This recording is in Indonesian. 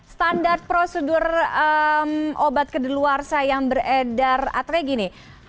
standar prosedur obat ke luar sana yang beredar atre gini